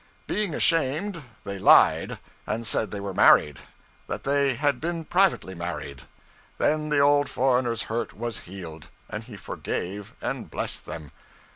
Being ashamed, they lied, and said they were married; that they had been privately married. Then the old foreigner's hurt was healed, and he forgave and blessed them.